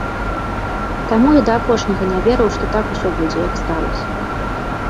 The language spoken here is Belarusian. Таму я да апошняга не верыў, што так усё будзе, як сталася.